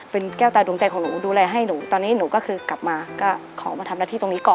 เป็นแก้วตาดวงใจของหนูดูแลให้หนูตอนนี้หนูก็คือกลับมาก็ขอมาทำหน้าที่ตรงนี้ก่อน